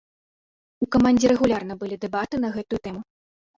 У камандзе рэгулярна былі дэбаты на гэтую тэму.